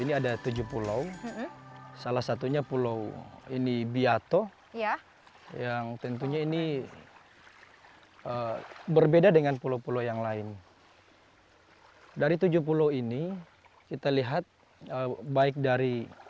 hidup mereka pun dilanjutkan dengan melaut atau memilih merantau ke kota besar